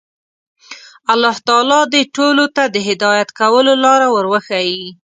الله تعالی دې ټولو ته د هدایت کولو لاره ور وښيي.